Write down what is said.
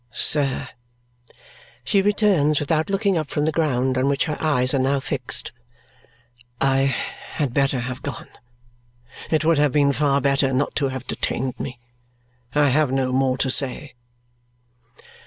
"Sir," she returns without looking up from the ground on which her eyes are now fixed, "I had better have gone. It would have been far better not to have detained me. I have no more to say."